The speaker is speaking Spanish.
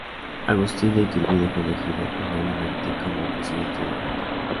Agustin de Iturbide fue elegido unánimemente como Presidente de la Junta.